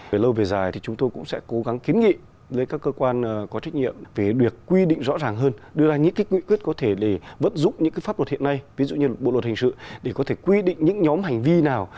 về lâu về dài thì chúng tôi cũng sẽ cố gắng kiến nghị với các cơ quan có trách nhiệm về được quy định rõ ràng hơn đưa ra những cái nguy quyết có thể để vận dụng những cái pháp luật hiện nay ví dụ như bộ luật hình sự để có thể quy định những nhóm hành vi nào